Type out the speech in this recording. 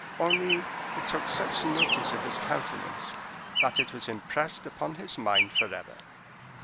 Only he took such notice of his countenance, that it was impressed upon his mind forever.